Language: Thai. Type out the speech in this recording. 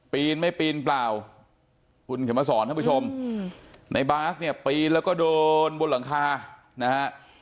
ปีนไม่ปีนเปล่าคุณเข็มมาสอนท่านผู้ชมในบาสเนี่ยปีนแล้วก็เดินบนหลังคานะฮะ